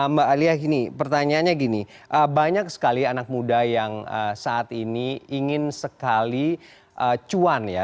mbak alia gini pertanyaannya gini banyak sekali anak muda yang saat ini ingin sekali cuan ya